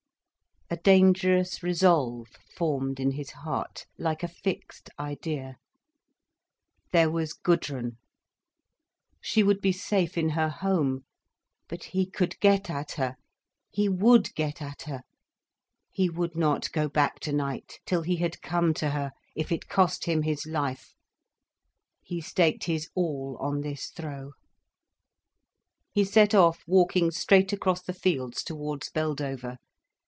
A dangerous resolve formed in his heart, like a fixed idea. There was Gudrun—she would be safe in her home. But he could get at her—he would get at her. He would not go back tonight till he had come to her, if it cost him his life. He staked his all on this throw. He set off walking straight across the fields towards Beldover.